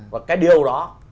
và cái điều đó